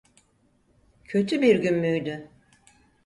Kötü bir gün müydü?